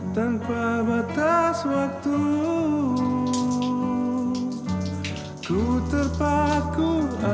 yang selalu ruined tadi adalah gua